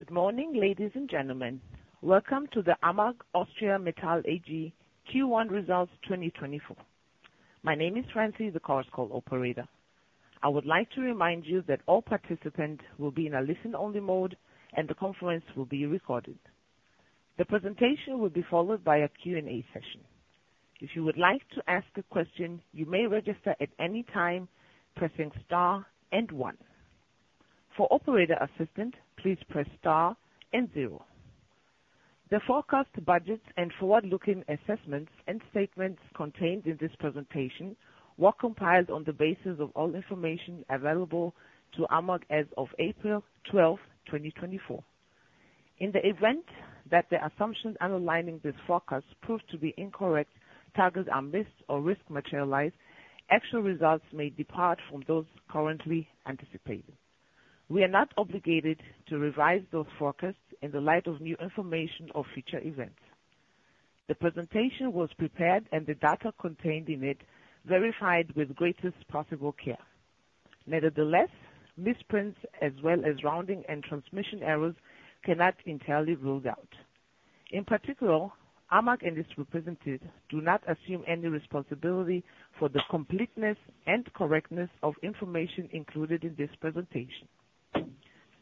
Good morning, ladies and gentlemen. Welcome to the AMAG Austria Metall AG Q1 results 2024. My name is Frances, the Chorus Call call operator. I would like to remind you that all participants will be in a listen-only mode and the conference will be recorded. The presentation will be followed by a Q&A session. If you would like to ask a question, you may register at any time pressing star and one. For operator assistance, please press star and zero. The forecast, budgets, and forward-looking assessments and statements contained in this presentation were compiled on the basis of all information available to AMAG as of April 12, 2024. In the event that the assumptions underlying this forecast prove to be incorrect, targets are missed, or risk materialized, actual results may depart from those currently anticipated. We are not obligated to revise those forecasts in the light of new information or future events. The presentation was prepared and the data contained in it verified with the greatest possible care. Nevertheless, misprints as well as rounding and transmission errors cannot be entirely ruled out. In particular, AMAG and its representatives do not assume any responsibility for the completeness and correctness of information included in this presentation.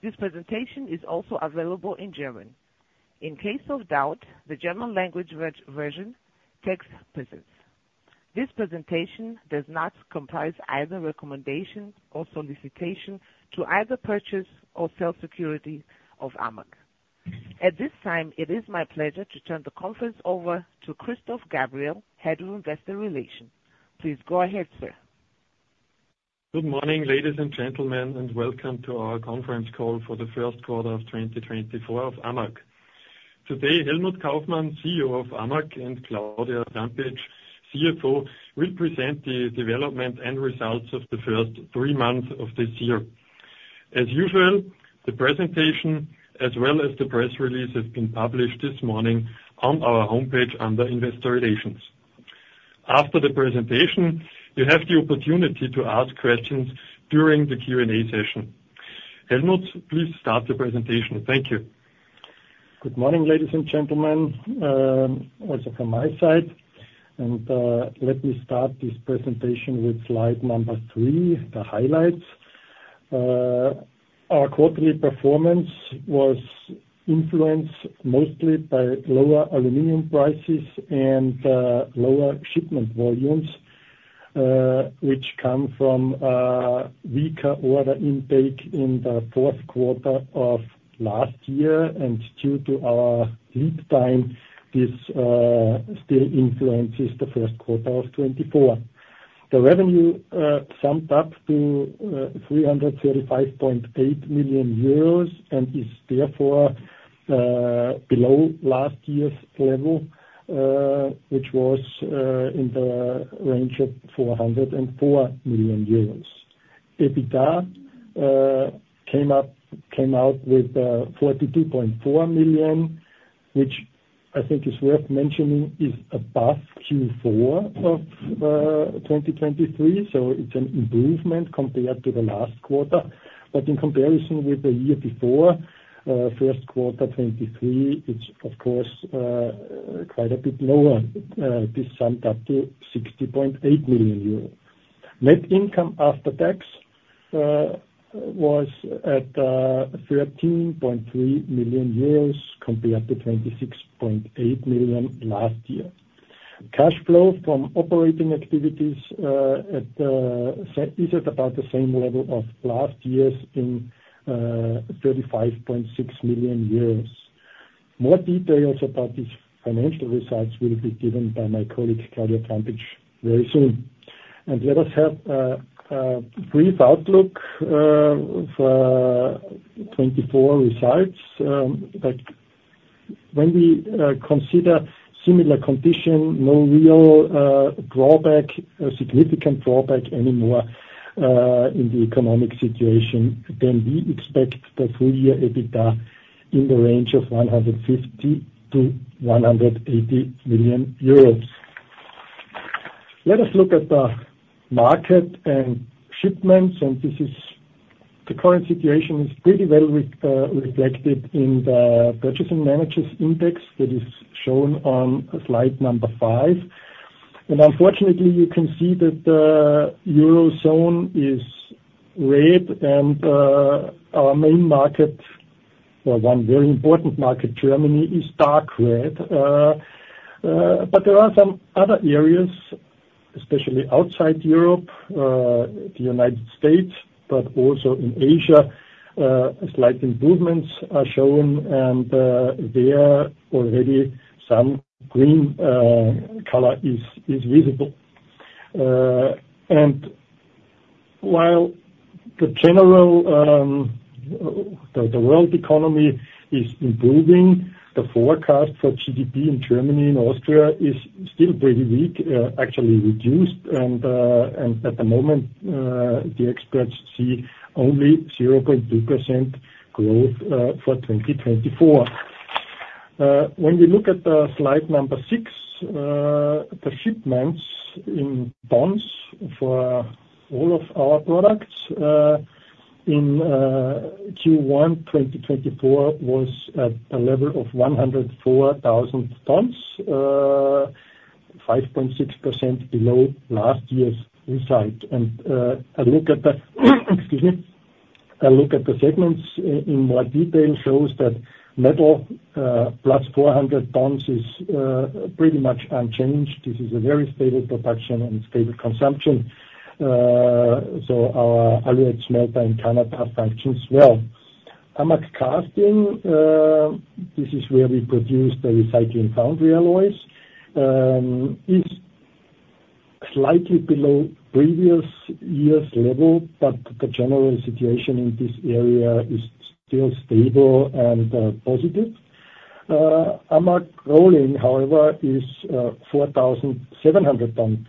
This presentation is also available in German. In case of doubt, the German language version text prevails. This presentation does not comprise either recommendation or solicitation to either purchase or sell security of AMAG. At this time, it is my pleasure to turn the conference over to Christoph Gabriel, Head of Investor Relations. Please go ahead, sir. Good morning, ladies and gentlemen, and welcome to our conference call for the first quarter of 2024 of AMAG. Today, Helmut Kaufmann, CEO of AMAG, and Claudia Trampitsch, CFO, will present the development and results of the first three months of this year. As usual, the presentation as well as the press release have been published this morning on our homepage under Investor Relations. After the presentation, you have the opportunity to ask questions during the Q&A session. Helmut, please start the presentation. Thank you. Good morning, ladies and gentlemen. Also from my side. Let me start this presentation with slide number 3, the highlights. Our quarterly performance was influenced mostly by lower aluminum prices and lower shipment volumes, which come from weaker order intake in the fourth quarter of last year. Due to our lead time, this still influences the first quarter of 2024. The revenue summed up to 335.8 million euros and is therefore below last year's level, which was in the range of 404 million euros. EBITDA came out with 42.4 million, which I think is worth mentioning is above Q4 of 2023. So it's an improvement compared to the last quarter. But in comparison with the year before, first quarter 2023, it's of course quite a bit lower. This summed up to 60.8 million euros. Net income after tax was 13.3 million euros compared to 26.8 million last year. Cash flow from operating activities is at about the same level as last year’s in 35.6 million. More details about these financial results will be given by my colleague, Claudia Trampitsch, very soon. Let us have a brief outlook for 2024 results. Like, when we consider similar conditions, no real significant drawback anymore in the economic situation, then we expect the full-year EBITDA in the range of 150-180 million euros. Let us look at the market and shipments. And the current situation is pretty well reflected in the Purchasing Managers' Index that is shown on slide number five. And unfortunately, you can see that the Eurozone is red. And our main market or one very important market, Germany, is dark red. But there are some other areas, especially outside Europe, the United States, but also in Asia, slight improvements are shown. And there already some green color is visible. And while the general world economy is improving, the forecast for GDP in Germany and Austria is still pretty weak, actually reduced. And at the moment, the experts see only 0.2% growth for 2024. When we look at the slide number six, the shipments in tons for all of our products in Q1 2024 was at the level of 104,000 tons, 5.6% below last year's result. And a look at the segments in more detail shows that metal plus 400 tons is pretty much unchanged. This is a very stable production and stable consumption. So our Alouette smelter in Canada functions well. AMAG Casting, this is where we produce the recycling foundry alloys, is slightly below previous year's level. But the general situation in this area is still stable and positive. AMAG Rolling, however, is 4,700 tons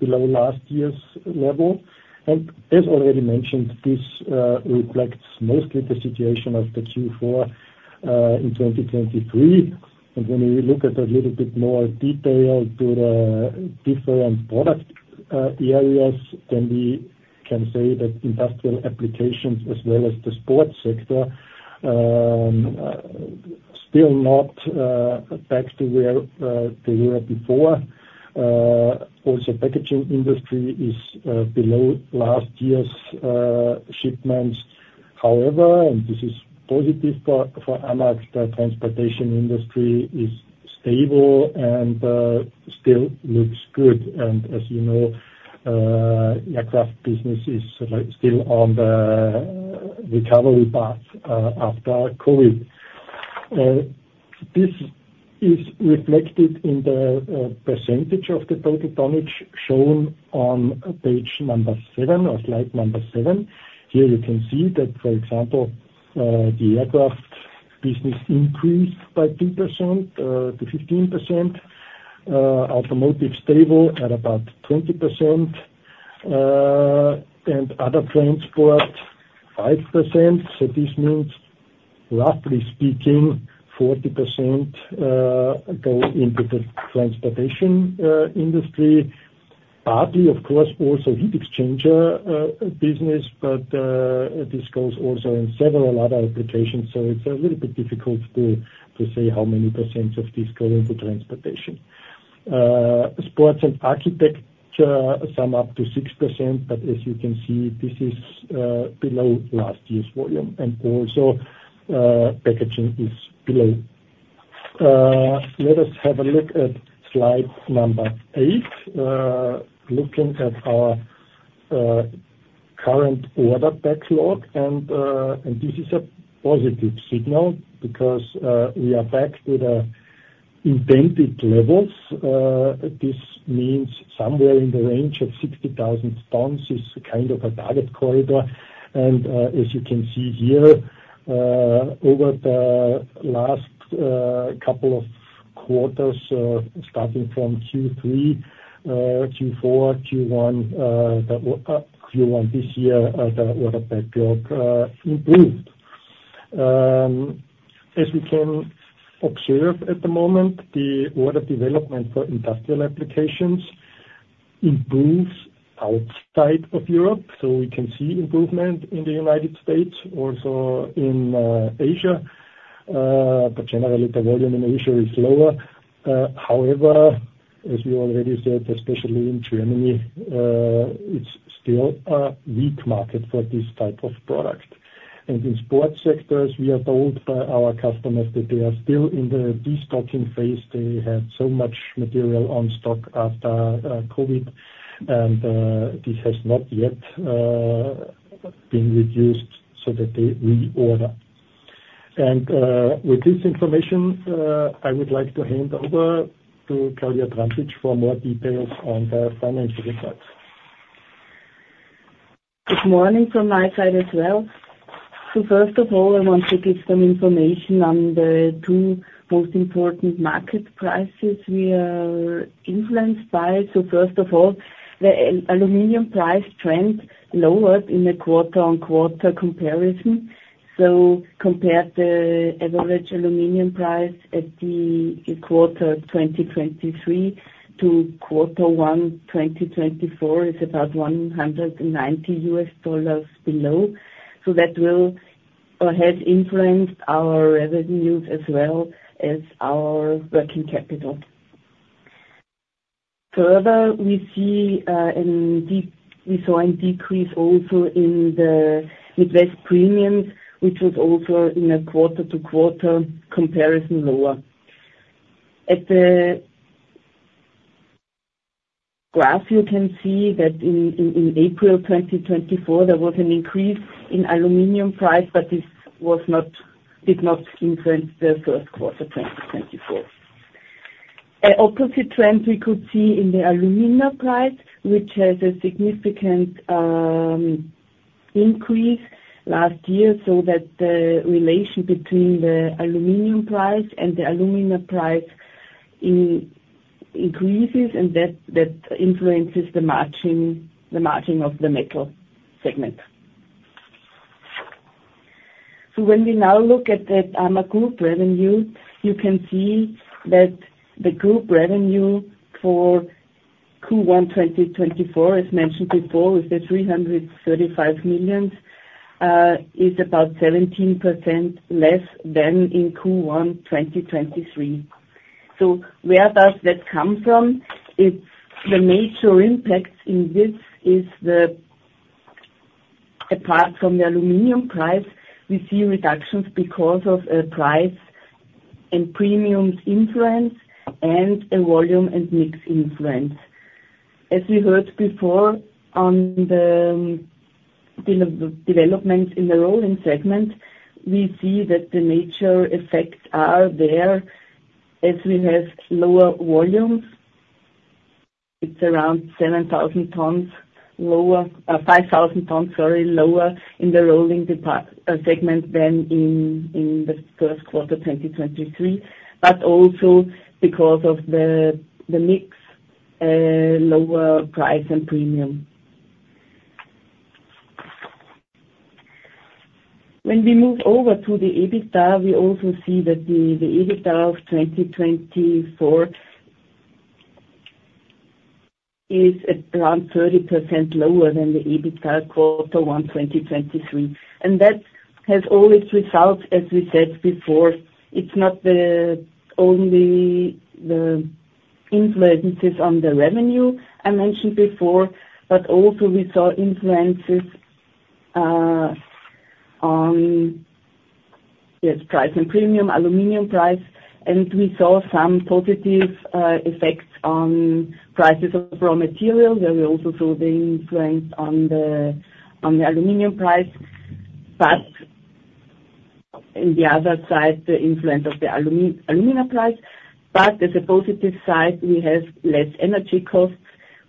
below last year's level. As already mentioned, this reflects mostly the situation of the Q4 in 2023. When we look at a little bit more detail to the different product areas, then we can say that industrial applications as well as the sports sector still not back to where they were before. Also, packaging industry is below last year's shipments. However, and this is positive for AMAG, the transportation industry is stable and still looks good. And as you know, aircraft business is, like, still on the recovery path after COVID. This is reflected in the percentage of the total tonnage shown on page number 7 or slide number 7. Here you can see that, for example, the aircraft business increased by 2% to 15%. Automotive stable at about 20%. And other transport 5%. So this means, roughly speaking, 40% go into the transportation industry. Partly, of course, also heat exchanger business. But this goes also in several other applications. So it's a little bit difficult to say how many percent of these go into transportation. Sports and architecture sum up to 6%. But as you can see, this is below last year's volume. And also, packaging is below. Let us have a look at slide number 8, looking at our current order backlog. And this is a positive signal because we are back to the intended levels. This means somewhere in the range of 60,000 tons is kind of a target corridor. As you can see here, over the last couple of quarters, starting from Q3, Q4, Q1, the Q1 this year, the order backlog improved. As we can observe at the moment, the order development for industrial applications improves outside of Europe. So we can see improvement in the United States, also in Asia. But generally, the volume in Asia is lower. However, as we already said, especially in Germany, it is still a weak market for this type of product. And in auto sectors, we are told by our customers that they are still in the destocking phase. They had so much material on stock after COVID. And this has not yet been reduced so that they reorder. And with this information, I would like to hand over to Claudia Trampitsch for more details on the financial results. Good morning from my side as well. So first of all, I want to give some information on the two most important market prices we are influenced by. So first of all, the aluminum price trend lowered in a quarter-on-quarter comparison. So compared to the average aluminum price at the quarter 2023 to quarter one 2024, it's about $190 below. So that will have influenced our revenues as well as our working capital. Further, we see, and we saw a decrease also in the Midwest Premium, which was also in a quarter-to-quarter comparison lower. At the graph, you can see that in April 2024, there was an increase in aluminum price. But this did not influence the first quarter 2024. An opposite trend we could see in the alumina price, which has a significant increase last year. So that the relation between the aluminum price and the alumina price increases. And that influences the margin of the metal segment. So when we now look at the AMAG Group revenue, you can see that the Group revenue for Q1 2024, as mentioned before, was 335 million, about 17% less than in Q1 2023. So where does that come from? It's the major impacts. In this, apart from the aluminum price, we see reductions because of a price and premiums influence and a volume and mix influence. As we heard before on the developments in the rolling segment, we see that the major effects are there as we have lower volumes. It's around 7,000 tons lower, 5,000 tons, sorry, lower in the rolling department segment than in the first quarter 2023. But also because of the mix, lower price and premium. When we move over to the EBITDA, we also see that the EBITDA of 2024 is at around 30% lower than the EBITDA quarter one 2023. And that has always result, as we said before. It's not the only the influences on the revenue I mentioned before. But also we saw influences on price and premium, aluminum price. And we saw some positive effects on prices of raw material. There we also saw the influence on the aluminum price. But in the other side, the influence of the alumina price. But as a positive side, we have less energy costs,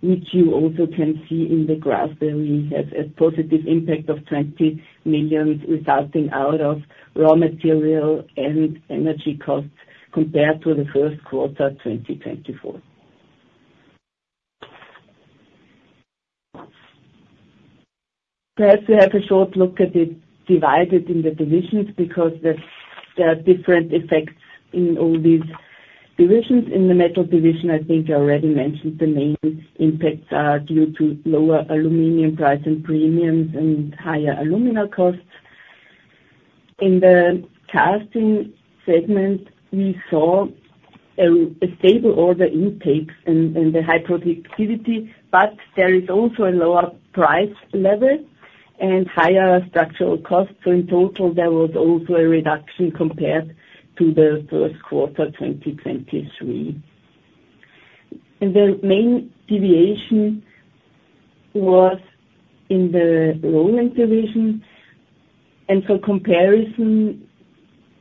which you also can see in the graph that we have a positive impact of 20 million resulting out of raw material and energy costs compared to the first quarter 2024. Perhaps we have a short look at it divided in the divisions because there are different effects in all these divisions. In the Metal Division, I think I already mentioned the main impacts are due to lower aluminum price and premiums and higher alumina costs. In the Casting segment, we saw a stable order intakes and the high productivity. But there is also a lower price level and higher structural costs. So in total, there was also a reduction compared to the first quarter 2023. And the main deviation was in the Rolling Division. And for comparison,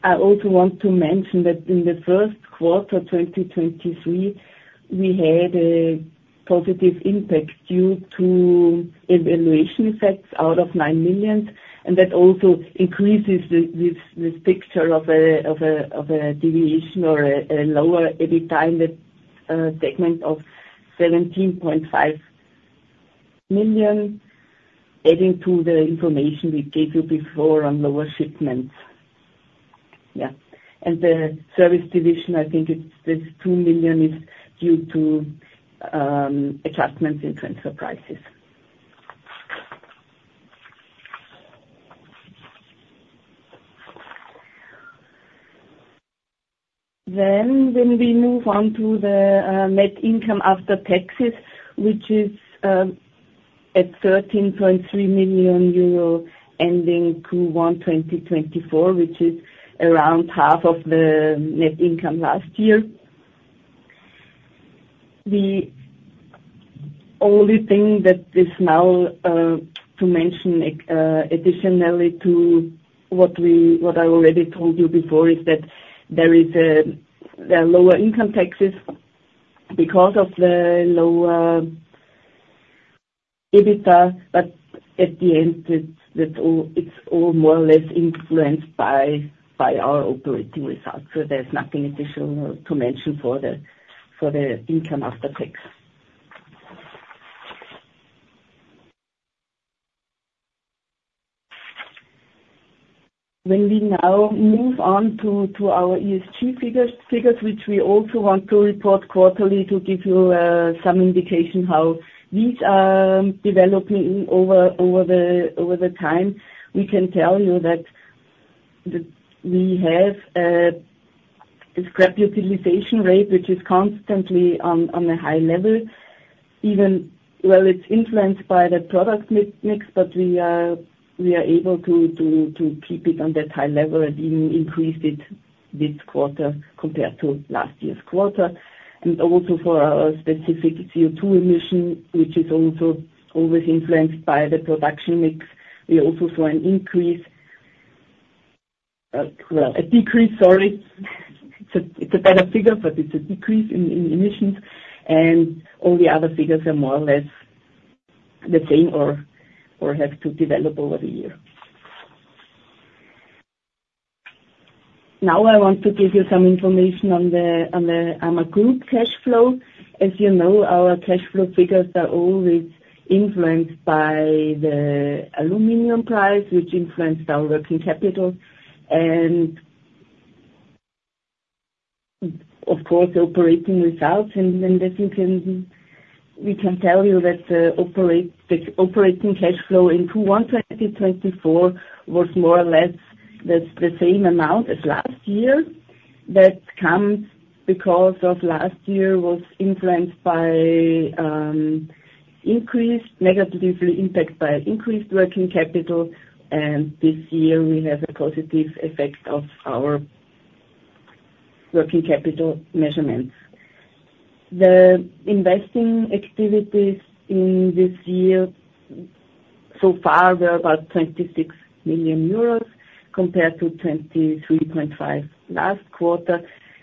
I also want to mention that in the first quarter 2023, we had a positive impact due to valuation effects out of 9 million. And that also increases this picture of a deviation or a lower EBITDA in that segment of 17.5 million, adding to the information we gave you before on lower shipments. Yeah. And the Service Division, I think this 2 million is due to adjustments in transfer prices. Then when we move on to the net income after taxes, which is at 13.3 million euro ending Q1 2024, which is around half of the net income last year. The only thing that is now to mention additionally to what I already told you before is that there are lower income taxes because of the lower EBITDA. But at the end, it's all more or less influenced by our operating results. So there's nothing additional to mention for the income after tax. When we now move on to our ESG figures, which we also want to report quarterly to give you some indication how these are developing over the time, we can tell you that we have a scrap utilization rate, which is constantly on a high level. Well, it's influenced by the product mix. But we are able to keep it on that high level and even increase it this quarter compared to last year's quarter. And also for our specific CO2 emission, which is also always influenced by the production mix, we also saw an increase well, a decrease, sorry. It's a better figure. But it's a decrease in emissions. And all the other figures are more or less the same or have to develop over the year. Now I want to give you some information on the AMAG Group cash flow. As you know, our cash flow figures are always influenced by the aluminum price, which influenced our working capital. And, of course, the operating results. And then as we can tell you that the operating cash flow in Q1 2024 was more or less the same amount as last year. That comes because last year was negatively impacted by increased working capital. And this year, we have a positive effect of our working capital measurements. The investing activities in this year so far were about 26 million euros compared to 23.5 million last quarter.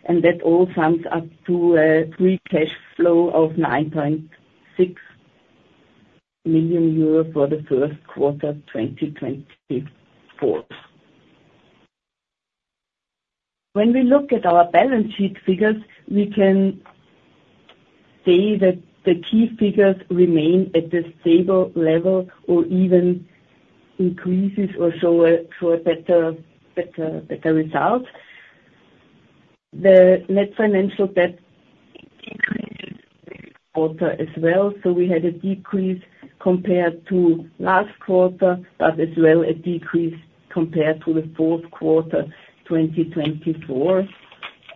And that all sums up to a free cash flow of 9.6 million euro for the first quarter 2024. When we look at our balance sheet figures, we can say that the key figures remain at the stable level or even increases or show a better result. The net financial debt decreased this quarter as well. We had a decrease compared to last quarter. But as well, a decrease compared to the fourth quarter 2024.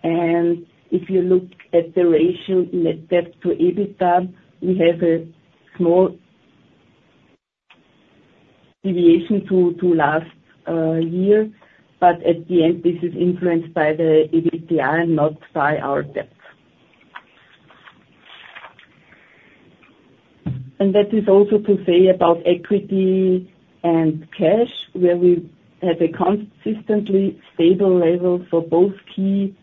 And if you look at the ratio net debt to EBITDA, we have a small deviation to last year. But at the end, this is influenced by the EBITDA and not by our debt. And that is also to say about equity and cash, where we have a consistently stable level for both key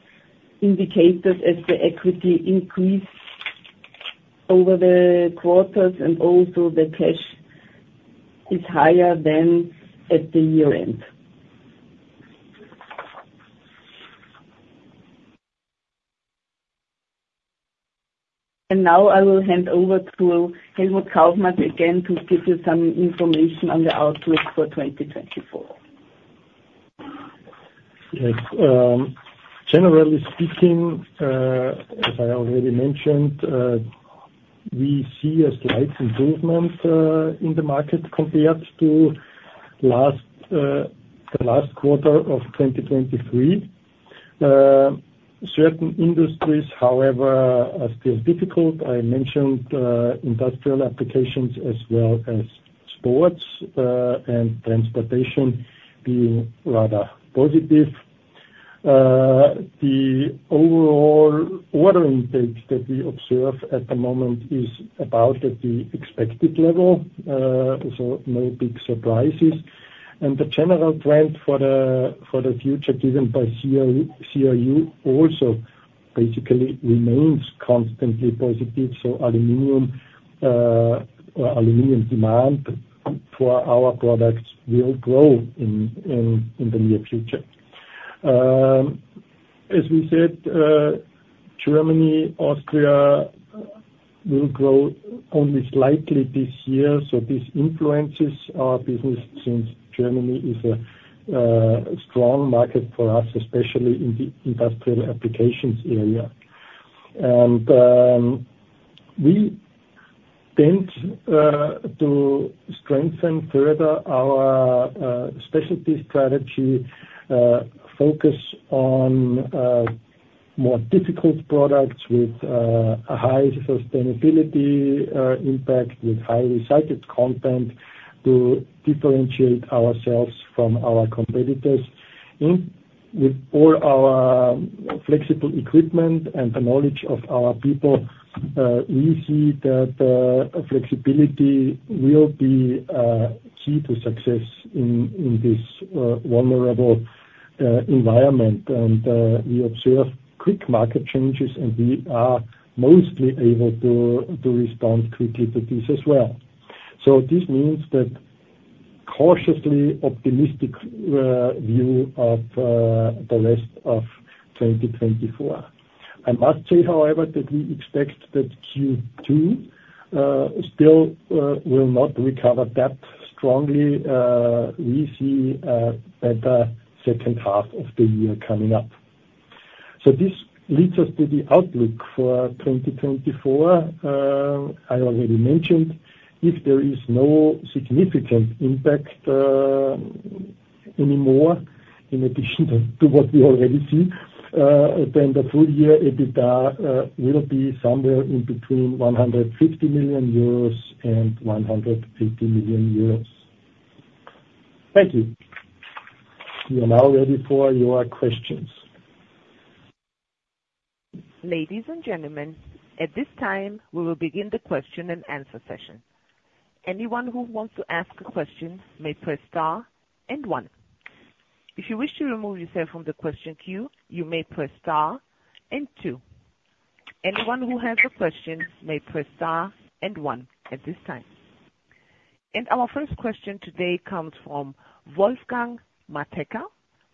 indicators as the equity increased over the quarters. And also, the cash is higher than at the year-end. Now I will hand over to Helmut Kaufmann again to give you some information on the outlook for 2024. Yes. Generally speaking, as I already mentioned, we see a slight improvement in the market compared to the last quarter of 2023. Certain industries, however, are still difficult. I mentioned industrial applications as well as sports and transportation being rather positive. The overall order intakes that we observe at the moment are about at the expected level. So no big surprises. And the general trend for the future given by CRU also basically remains constantly positive. So aluminum, or aluminum demand for our products will grow in the near future. As we said, Germany, Austria, will grow only slightly this year. So this influences our business since Germany is a strong market for us, especially in the industrial applications area. And we tend to strengthen further our specialty strategy, focus on more difficult products with a high sustainability impact, with high recycled content to differentiate ourselves from our competitors. In with all our flexible equipment and the knowledge of our people, we see that flexibility will be key to success in this vulnerable environment. And we observe quick market changes. And we are mostly able to respond quickly to these as well. So this means that cautiously optimistic view of the rest of 2024. I must say, however, that we expect that Q2 still will not recover that strongly. We see better second half of the year coming up. So this leads us to the outlook for 2024. I already mentioned, if there is no significant impact anymore in addition to what we already see, then the full-year EBITDA will be somewhere in between 150 million euros and 180 million euros. Thank you. We are now ready for your questions. Ladies and gentlemen, at this time, we will begin the question and answer session. Anyone who wants to ask a question may press star and one. If you wish to remove yourself from the question queue, you may press star and two. Anyone who has a question may press star and one at this time. Our first question today comes from Wolfgang Matejka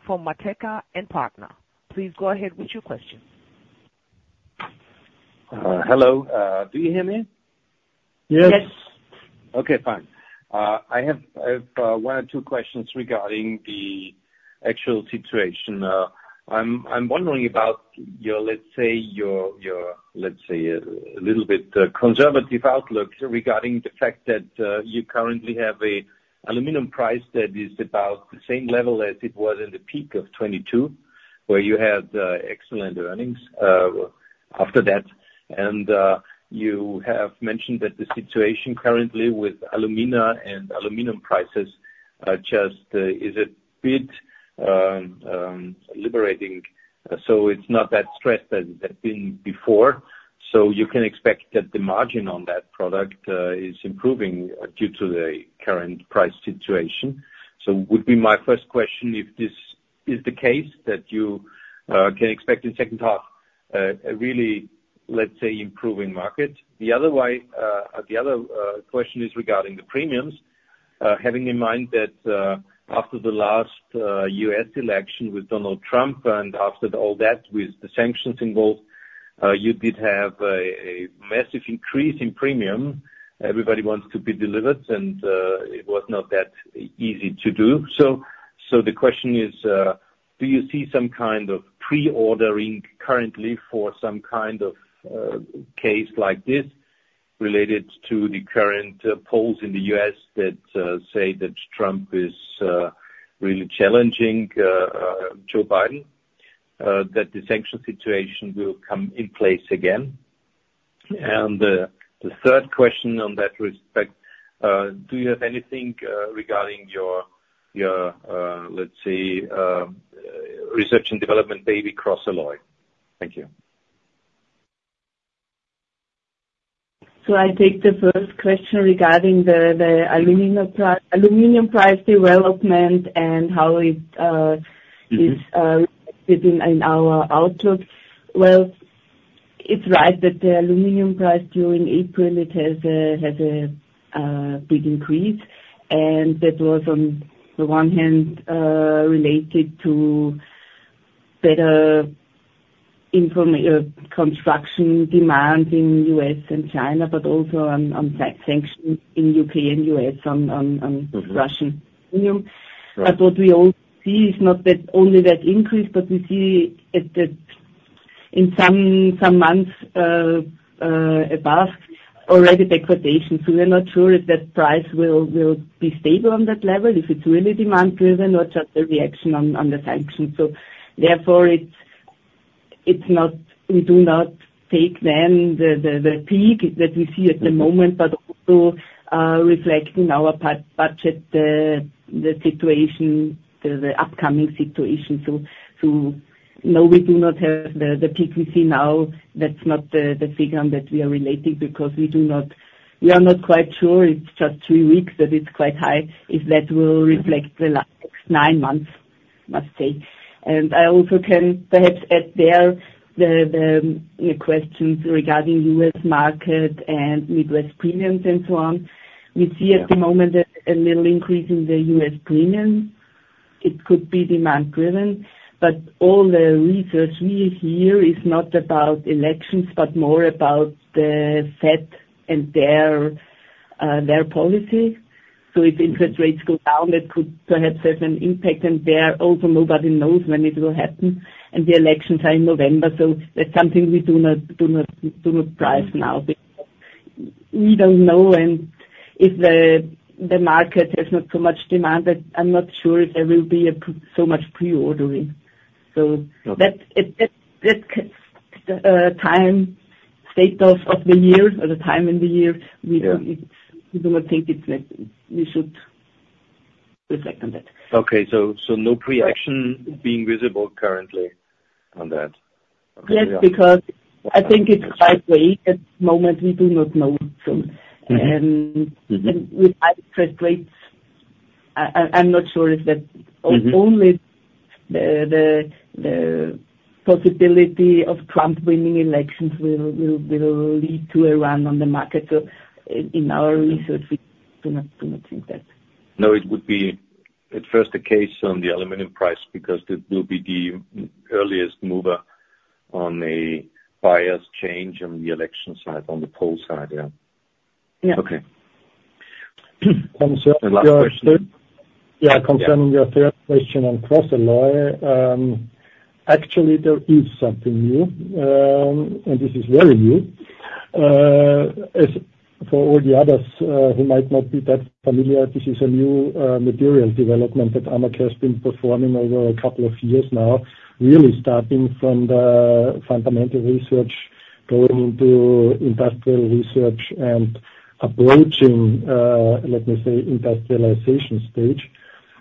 from Matejka & Partner. Please go ahead with your question. Hello. Do you hear me? Yes. Yes. Okay. Fine. I have one or two questions regarding the actual situation. I'm wondering about your, let's say, a little bit conservative outlook regarding the fact that you currently have an aluminum price that is about the same level as it was in the peak of 2022, where you had excellent earnings, which after that. You have mentioned that the situation currently with alumina and aluminum prices just is a bit liberating, so it's not that stressed as it has been before. So you can expect that the margin on that product is improving due to the current price situation. So would be my first question if this is the case that you can expect in second half a really, let's say, improving market. The other question is regarding the premiums. Having in mind that, after the last U.S. election with Donald Trump and after all that with the sanctions involved, you did have a massive increase in premium. Everybody wants to be delivered. And it was not that easy to do. So the question is, do you see some kind of pre-ordering currently for some kind of case like this related to the current polls in the U.S. that say that Trump is really challenging Joe Biden, that the sanction situation will come in place again? And the third question on that respect, do you have anything regarding your let's say research and development baby CrossAlloy? Thank you. So I take the first question regarding the alumina price aluminum price development and how it is reflected in our outlook. Well, it's right that the aluminum price during April has a big increase. And that was, on the one hand, related to better infrastructure construction demand in the U.S. and China. But also, on sanctions in the U.K. and U.S. on Russian aluminum. Right. But what we also see is not only that increase. But we see that in some months, already degradation. So we're not sure if that price will be stable on that level, if it's really demand-driven or just a reaction on the sanctions. So therefore, it's not we do not take then the peak that we see at the moment. But also, reflecting our budget, the situation, the upcoming situation. So no, we do not have the peak we see now. That's not the figure that we are relating because we do not we are not quite sure. It's just three weeks that it's quite high if that will reflect the last next nine months, must say. And I also can perhaps add there the questions regarding U.S. market and Midwest premiums and so on. We see at the moment a little increase in the U.S. premium. It could be demand-driven. But all the research we hear is not about elections but more about the Fed and their policy. So if interest rates go down, that could perhaps have an impact. And there also, nobody knows when it will happen. And the elections are in November. So that's something we do not price now because we don't know. And if the market has not so much demand, I'm not sure if there will be as much pre-ordering. So that's the state of the year or the time in the year, we do not think it's necessary we should reflect on that. Okay. So, so no pre-action being visible currently on that. Okay. Yeah. Yes. Because I think it's quite late at the moment. We do not know. So, with high interest rates, I'm not sure if that only the possibility of Trump winning elections will lead to a run on the market. So in our research, we do not think that. No, it would be at first a case on the aluminum price because it will be the earliest mover on a buyer's change on the election side, on the poll side. Yeah. Yeah. Okay. Concerning your third yeah, concerning your third question on CrossAlloy, actually, there is something new. This is very new. As for all the others who might not be that familiar, this is a new material development that AMAG has been performing over a couple of years now, really starting from the fundamental research, going into industrial research, and approaching, let me say, industrialization stage.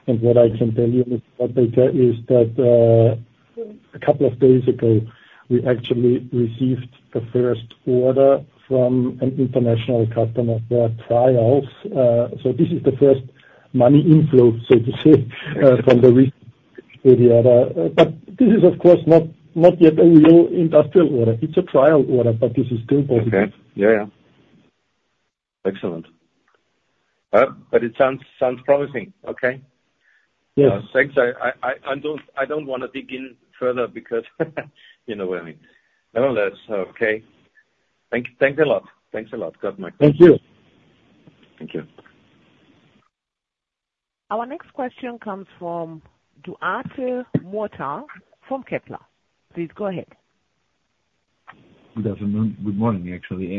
What I can tell you, Mr. Kaufmann, is that a couple of days ago, we actually received the first order from an international customer for trials. This is the first money inflow, so to say, from the research to the other. But this is, of course, not yet a real industrial order. It's a trial order. But this is still possible. Okay. Yeah. Yeah. Excellent. But it sounds promising. Okay. Yes. Thanks. I don't wanna dig in further because, you know what I mean. Nonetheless, okay. Thanks a lot. Thanks a lot. Good, Mike. Thank you. Thank you. Our next question comes from Duarte Mota from Kepler. Please go ahead. Definitely. Good morning, actually.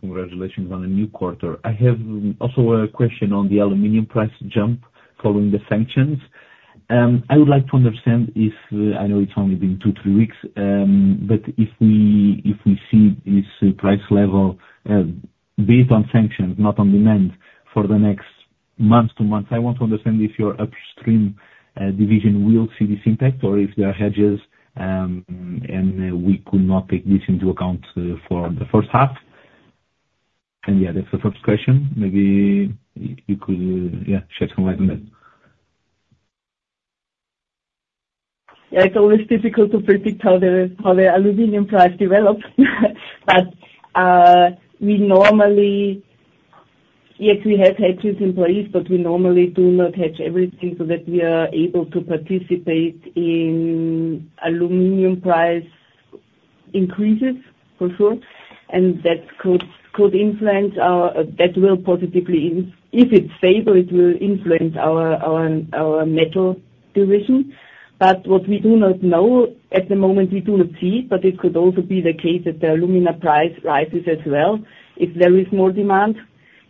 Congratulations on a new quarter. I have also a question on the aluminum price jump following the sanctions. I would like to understand if, I know it's only been 2-3 weeks, but if we if we see this price level, be it on sanctions, not on demand, for the next months, 2 months, I want to understand if your upstream division will see this impact or if there are hedges, and we could not take this into account for the first half. Yeah, that's the first question. Maybe you could, yeah, shed some light on that. Yeah. It's always difficult to predict how the aluminum price develops. But we normally yes, we have hedged with LME. But we normally do not hedge everything so that we are able to participate in aluminum price increases, for sure. And that could influence our that will positively if it's stable, it will influence our metal division. But what we do not know at the moment, we do not see. But it could also be the case that the alumina price rises as well if there is more demand.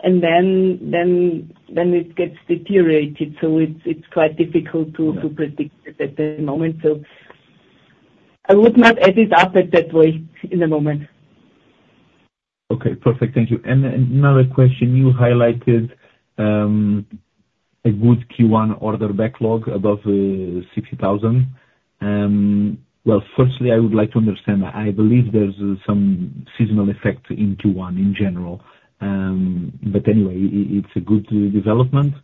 And then it gets deteriorated. So it's quite difficult to predict it at the moment. So I would not add it up that way at the moment. Okay. Perfect. Thank you. And another question. You highlighted a good Q1 order backlog above 60,000. Well, firstly, I would like to understand. I believe there's some seasonal effect in Q1 in general. But anyway, it's a good development.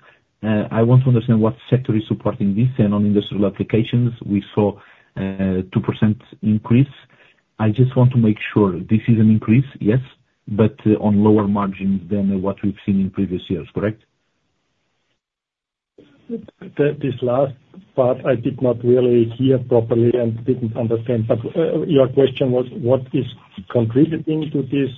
I want to understand what sector is supporting this. And on industrial applications, we saw 2% increase. I just want to make sure. This is an increase, yes, but on lower margins than what we've seen in previous years. Correct? That this last part, I did not really hear properly and didn't understand. But your question was, what is contributing to this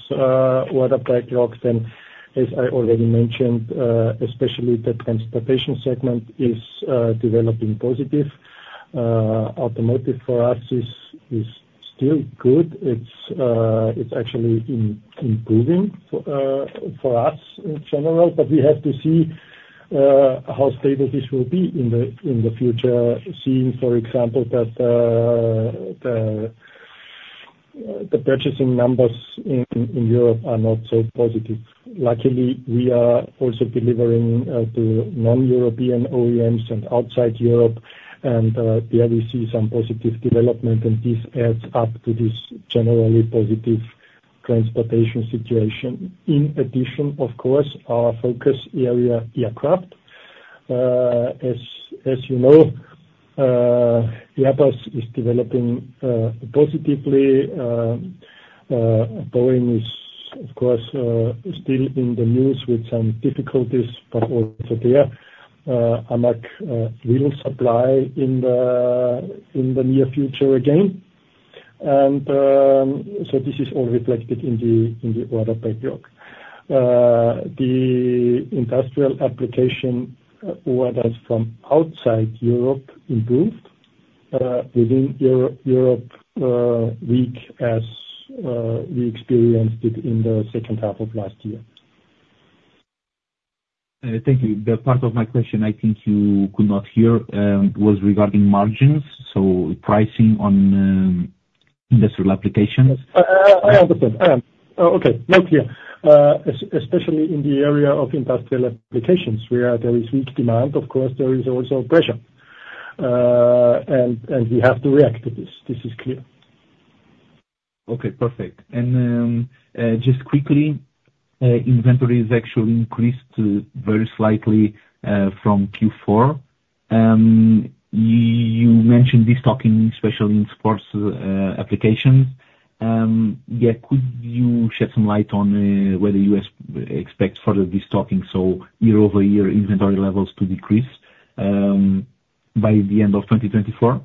order backlog? Then, as I already mentioned, especially the transportation segment is developing positive. Automotive for us is still good. It's actually improving for us in general. But we have to see how stable this will be in the future, seeing, for example, that the purchasing numbers in Europe are not so positive. Luckily, we are also delivering to non-European OEMs and outside Europe. And there we see some positive development. And this adds up to this generally positive transportation situation. In addition, of course, our focus area, aircraft. As you know, Airbus is developing positively. Boeing is, of course, still in the news with some difficulties. But also there, AMAG will supply in the near future again. So this is all reflected in the order backlog. The industrial applications, orders from outside Europe improved, within Europe, weak as we experienced it in the second half of last year. Thank you. The part of my question I think you could not hear was regarding margins. So pricing on industrial applications. I understand. Oh, okay. No, clear. Especially in the area of industrial applications, where there is weak demand, of course, there is also pressure. And we have to react to this. This is clear. Okay. Perfect. And just quickly, inventory is actually increased very slightly from Q4. You mentioned destocking, especially in sports applications. Yeah, could you shed some light on whether U.S. expects further destocking, so year-over-year inventory levels to decrease by the end of 2024?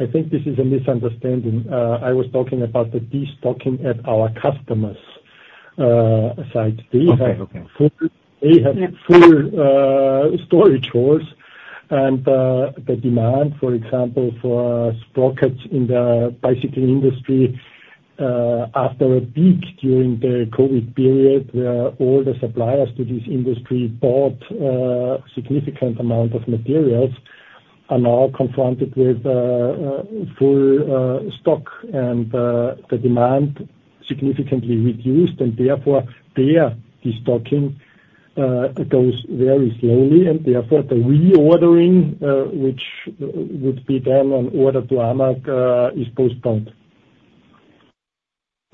I think this is a misunderstanding. I was talking about the destocking at our customers' side. They have. Okay. Okay. Fully, they have full storage halls. The demand, for example, for sprockets in the bicycle industry, after a peak during the COVID period where all the suppliers to this industry bought significant amount of materials, are now confronted with full stock. The demand significantly reduced. Therefore, their destocking goes very slowly. Therefore, the reordering, which would then be an order to AMAG, is postponed.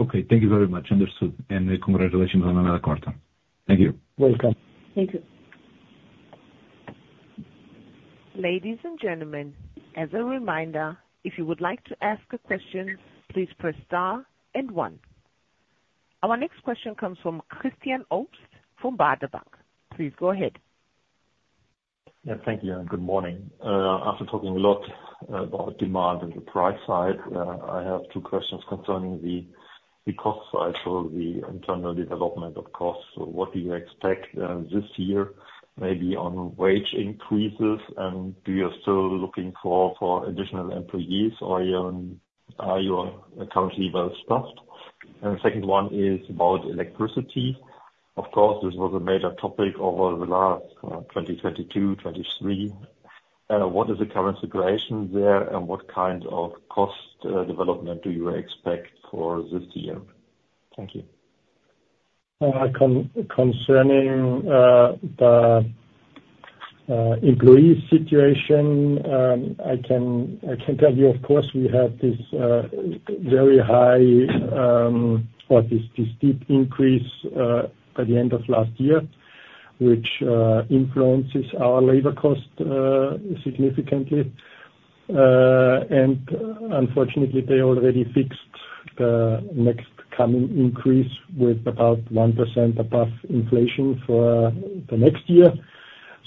Okay. Thank you very much. Understood. Congratulations on another quarter. Thank you. Welcome. Thank you. Ladies and gentlemen, as a reminder, if you would like to ask a question, please press star and one. Our next question comes from Christian Obst from Baader Bank. Please go ahead. Yeah. Thank you. And good morning. After talking a lot about demand and the price side, I have two questions concerning the cost side, so the internal development of costs. So what do you expect this year, maybe on wage increases? And do you still looking for additional employees? Or are you currently well-staffed? And the second one is about electricity. Of course, this was a major topic over the last 2022, 2023. What is the current situation there? And what kind of cost development do you expect for this year? Thank you. Concerning the employee situation, I can tell you, of course, we had this very high or this steep increase by the end of last year, which influences our labor cost significantly. Unfortunately, they already fixed the next coming increase with about 1% above inflation for the next year.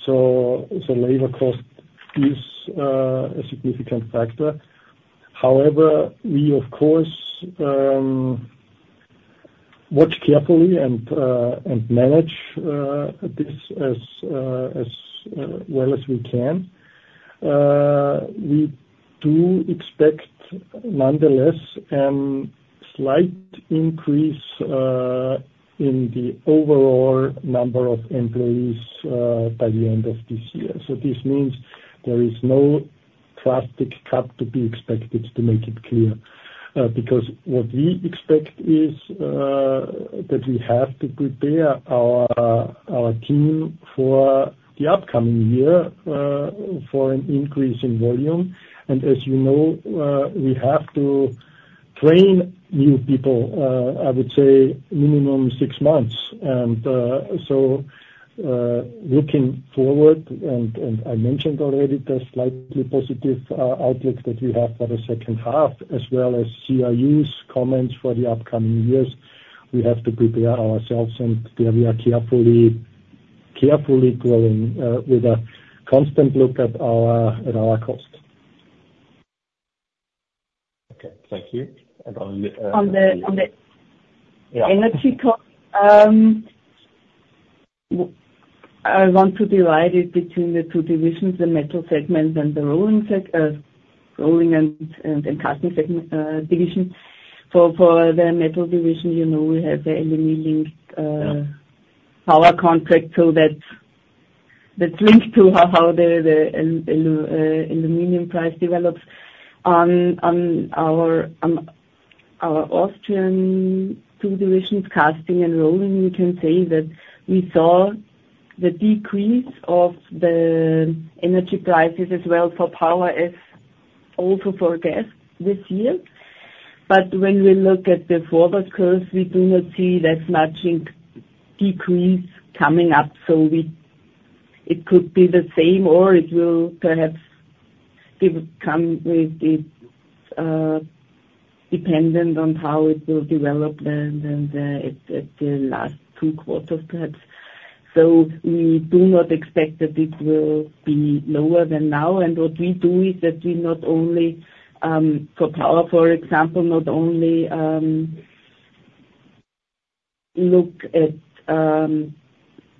So labor cost is a significant factor. However, we of course watch carefully and manage this as well as we can. We do expect, nonetheless, a slight increase in the overall number of employees by the end of this year. So this means there is no drastic cut to be expected, to make it clear, because what we expect is that we have to prepare our team for the upcoming year, for an increase in volume. And as you know, we have to train new people, I would say, minimum six months. So, looking forward, and I mentioned already the slightly positive outlook that we have for the second half, as well as CRU's comments for the upcoming years, we have to prepare ourselves. There we are carefully growing, with a constant look at our cost. Okay. Thank you. And on the, On the on the. Yeah. Energy cost. Well, I want to divide it between the two divisions, the metal segment and the rolling and casting segment, division. For the metal division, you know, we have the aluminum, Yeah. Power contract. So that's linked to how the aluminum price develops. On our Austrian two divisions, casting and rolling, we can say that we saw the decrease of the energy prices as well for power as also for gas this year. But when we look at the forward curve, we do not see that much in decrease coming up. So it could be the same. Or it will perhaps become. It's dependent on how it will develop then, at the last two quarters, perhaps. So we do not expect that it will be lower than now. And what we do is that we not only, for power, for example, look at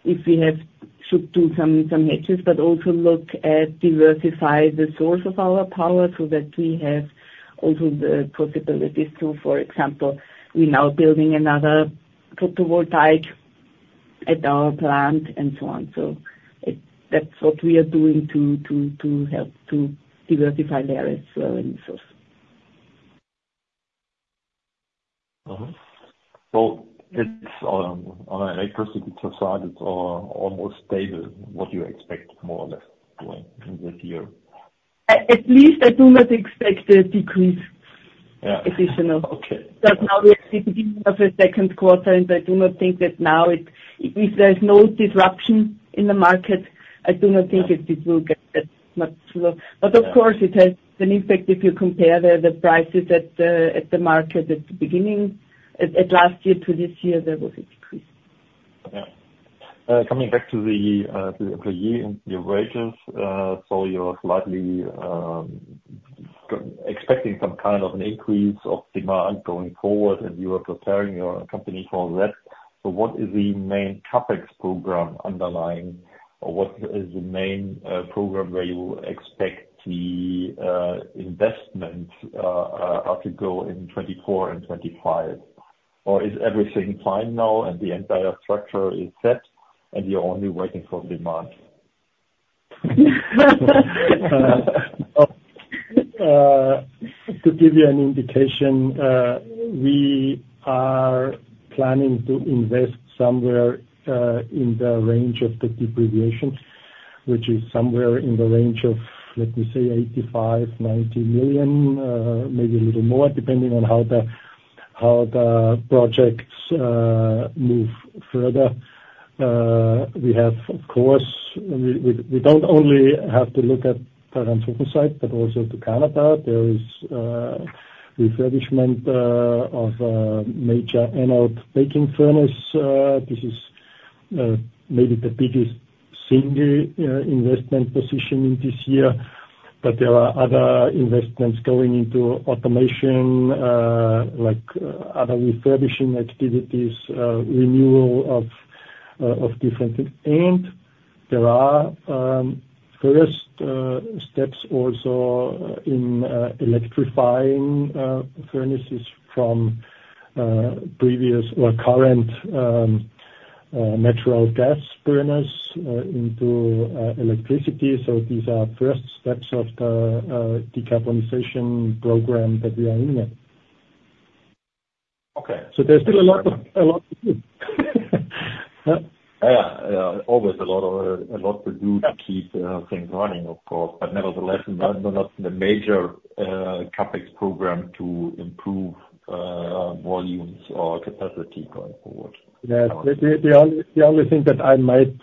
if we should do some hedges, but also look at diversify the source of our power so that we have also the possibilities to, for example, we're now building another photovoltaic at our plant and so on. So that's what we are doing to help to diversify there as well in the source. Well, it's on an electricity side, it's all almost stable, what you expect, more or less, going in this year. at least I do not expect a decrease. Yeah. Additional. Okay. Because now we're at the beginning of the second quarter. I do not think that now, if there's no disruption in the market, I do not think that it will get that much slow. Of course, it has an impact if you compare the prices at the market at the beginning of last year to this year, there was a decrease. Yeah. Coming back to the employee and your wages, so you're slightly expecting some kind of an increase of demand going forward. And you are preparing your company for that. So what is the main CapEx program underlying? Or what is the main program where you expect the investment to go in 2024 and 2025? Or is everything fine now, and the entire structure is set, and you're only waiting for demand? To give you an indication, we are planning to invest somewhere in the range of the depreciation, which is somewhere in the range of, let me say, 85 million-90 million, maybe a little more, depending on how the projects move further. Of course, we don't only have to look at the Ranshofen site, but also to Canada. There is refurbishment of a major anode baking furnace. This is maybe the biggest single investment position in this year. But there are other investments going into automation, like other refurbishing activities, renewal of different things. And there are first steps also in electrifying furnaces from previous or current natural gas burners into electricity. So these are first steps of the decarbonization program that we are in yet. Okay. There's still a lot to do. Yeah. Yeah. Always a lot to do to keep things running, of course. But nevertheless, no, not the major CapEx program to improve volumes or capacity going forward. Yeah. The only thing that I might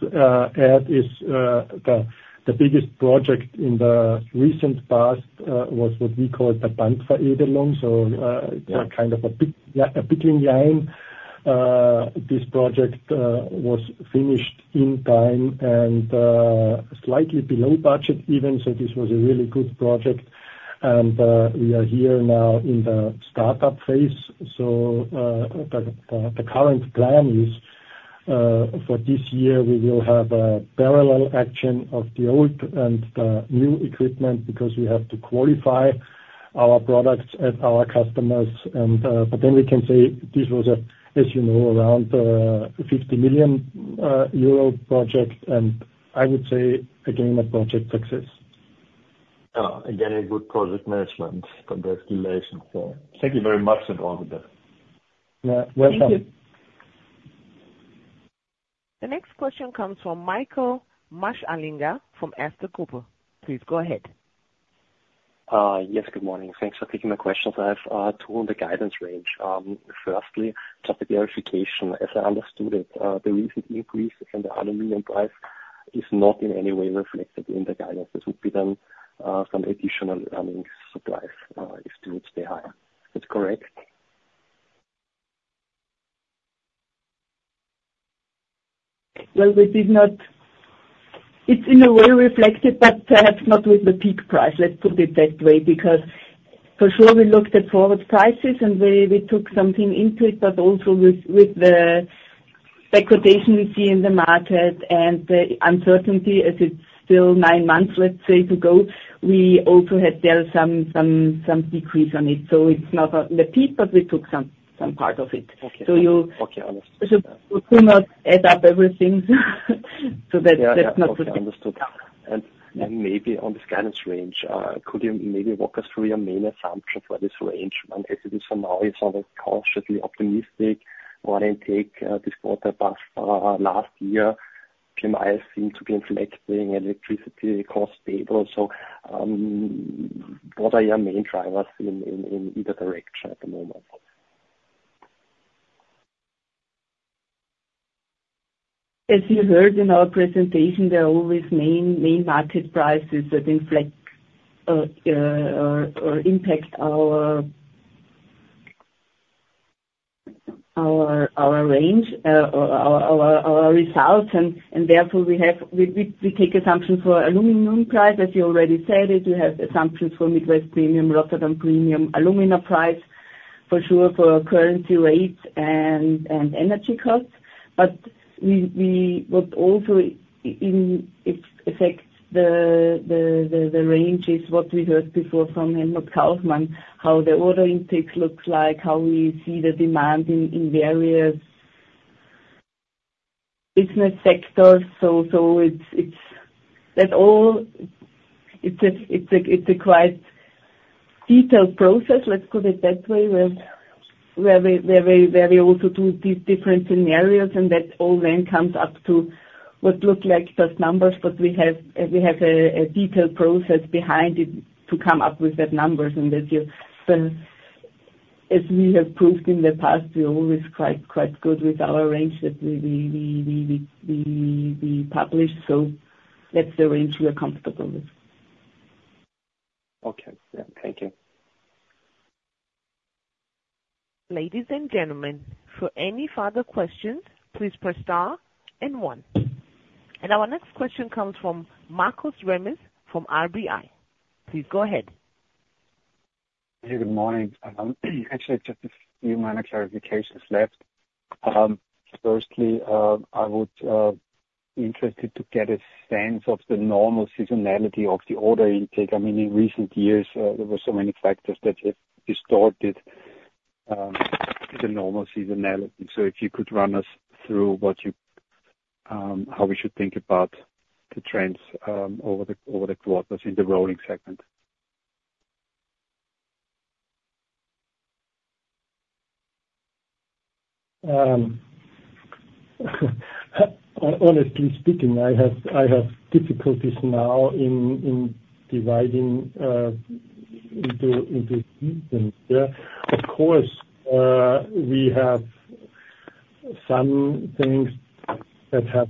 add is the biggest project in the recent past was what we call the Bandveredelung. So, it's a kind of a big. Yeah. Yeah, a pickling line. This project was finished in time and slightly below budget even. So this was a really good project. And we are here now in the startup phase. So the current plan is, for this year, we will have a parallel action of the old and the new equipment because we have to qualify our products at our customers. And but then we can say this was a, as you know, around 50 million euro project. And I would say, again, a project success. Oh, again, a good project management for the regulations. Yeah. Thank you very much and all the best. Yeah. Welcome. Thank you. The next question comes from Michael Marschallinger from Stifel Europe. Please go ahead. Yes. Good morning. Thanks for taking my questions. I have two in the guidance range. Firstly, just a verification. As I understood it, the recent increase in the aluminum price is not in any way reflected in the guidance. This would be then some additional earnings upside, if it would stay higher. Is that correct? Well, we did not. It's in a way reflected, but perhaps not with the peak price. Let's put it that way. Because for sure, we looked at forward prices. And we took something into it. But also, with the expectation we see in the market and the uncertainty, as it's still nine months, let's say, to go, we also had there some decrease on it. So it's not on the peak. But we took some part of it. Okay. So you. Okay. Understood. We do not add up everything. That's not the. Yeah. Okay. Understood. And maybe on this guidance range, could you maybe walk us through your main assumption for this range? And as it is for now, it's only cautiously optimistic. What I take, this quarter past, last year, PMI seemed to be inflecting. Electricity cost stable. So, what are your main drivers in either direction at the moment? As you heard in our presentation, there are always main market prices that inflect or impact our range or our results. And therefore, we take assumptions for aluminum price, as you already said. And we have assumptions for Midwest Premium, Rotterdam Premium, alumina price, for sure, for currency rates and energy costs. But what also in it affects the range is what we heard before from Helmut Kaufmann, how the order intake looks like, how we see the demand in various business sectors. So it's that all it's a quite detailed process, let's put it that way, where we also do these different scenarios. And that all then comes up to what look like just numbers. But we have a detailed process behind it to come up with that numbers. And as you, as we have proved in the past, we're always quite good with our range that we publish. So that's the range we are comfortable with. Okay. Yeah. Thank you. Ladies and gentlemen, for any further questions, please press star and one. Our next question comes from Markus Remis from RBI. Please go ahead. Yeah. Good morning. Actually, just a few minor clarifications left. Firstly, I would be interested to get a sense of the normal seasonality of the order intake. I mean, in recent years, there were so many factors that have distorted the normal seasonality. So if you could run us through what you how we should think about the trends over the quarters in the rolling segment. Honestly speaking, I have difficulties now in dividing into seasons. Yeah. Of course, we have some things that have,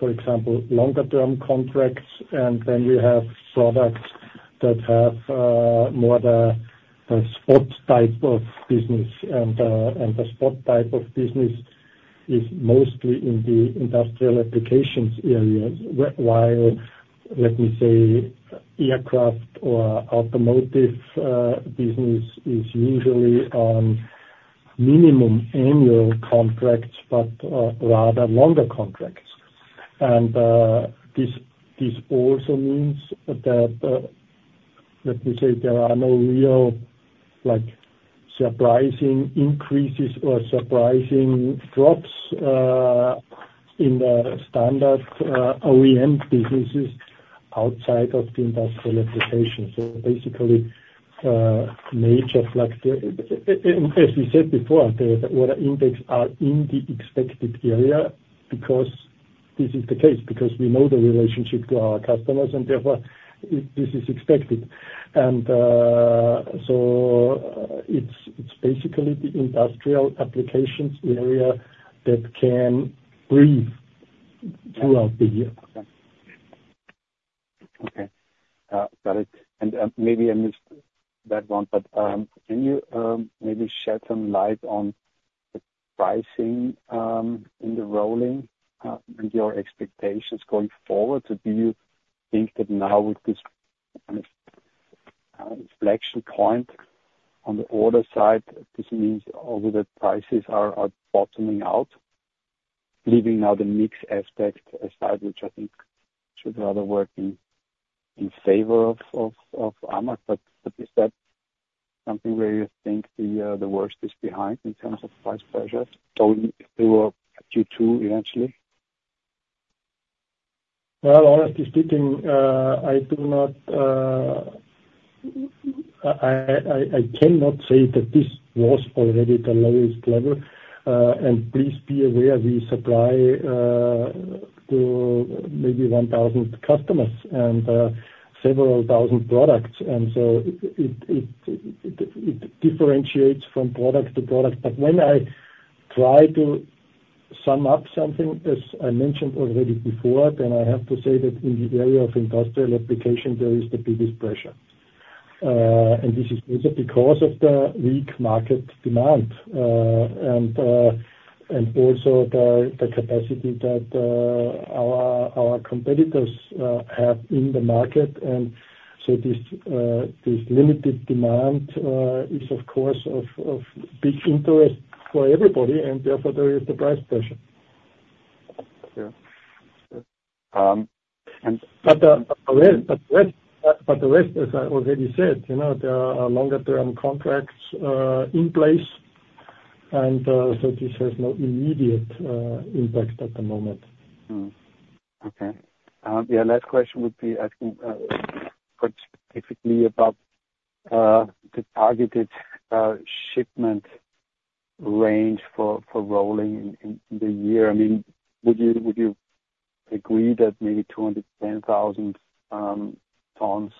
for example, longer-term contracts. And then we have products that have more the spot type of business. And the spot type of business is mostly in the industrial applications areas. While, let me say, aircraft or automotive business is usually on minimum annual contracts, but rather longer contracts. And this also means that, let me say, there are no real, like, surprising increases or surprising drops in the standard OEM businesses outside of the industrial applications. So basically, major flexi and, as we said before, the order index are in the expected area because this is the case. Because we know the relationship to our customers. And therefore, this is expected. And so, it's, it's basically the industrial applications area that can breathe throughout the year. Okay. Got it. And, maybe I missed that one. But, can you, maybe shed some light on the pricing, in the rolling, and your expectations going forward? So do you think that now, with this kind of, inflection point on the order side, this means all the prices are bottoming out, leaving now the mixed aspect aside, which I think should rather work in favor of AMAG? But is that something where you think the worst is behind in terms of price pressures? Solely through a Q2, eventually? Well, honestly speaking, I do not, I cannot say that this was already the lowest level. Please be aware, we supply to maybe 1,000 customers and several thousand products. And so it differentiates from product to product. But when I try to sum up something, as I mentioned already before, then I have to say that in the area of industrial application, there is the biggest pressure. This is also because of the weak market demand and also the capacity that our competitors have in the market. And so this limited demand is, of course, of big interest for everybody. And therefore, there is the price pressure. Yeah. and. But the rest, as I already said, you know, there are longer-term contracts in place. And so this has no immediate impact at the moment. Okay. Yeah. Last question would be asking quite specifically about the targeted shipment range for rolling in the year. I mean, would you agree that maybe 210,000 tons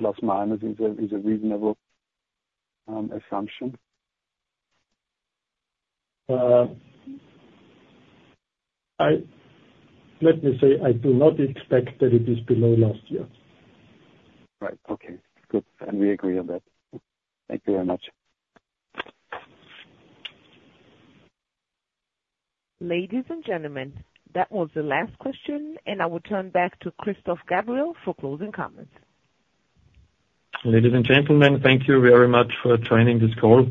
± is a reasonable assumption? Let me say, I do not expect that it is below last year. Right. Okay. Good. And we agree on that. Thank you very much. Ladies and gentlemen, that was the last question. I will turn back to Christoph Gabriel for closing comments. Ladies and gentlemen, thank you very much for joining this call.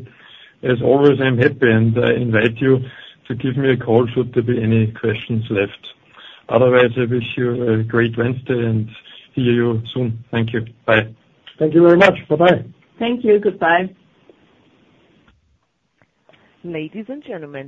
As always, I'm happy and invite you to give me a call should there be any questions left. Otherwise, I wish you a great Wednesday and see you soon. Thank you. Bye. Thank you very much. Bye-bye. Thank you. Goodbye. Ladies and gentlemen.